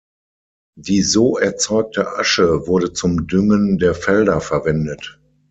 Die so erzeugte Asche wurde zum Düngen der Felder verwendet.